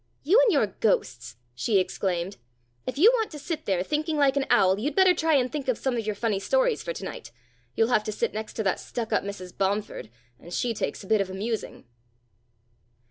"You and your ghosts!" she exclaimed. "If you want to sit there, thinking like an owl, you'd better try and think of some of your funny stories for to night. You'll have to sit next that stuck up Mrs. Bomford, and she takes a bit of amusing."